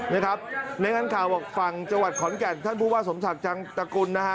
ในงานข่าวบอกฝั่งจังหวัดขอนแก่นท่านผู้ว่าสมศักดิ์จังตะกุลนะฮะ